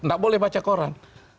tidak boleh baca koran